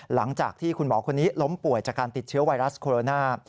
หลังจากที่คุณหมอคนนี้ล้มป่วยจากการติดเชื้อไวรัสโคโรนา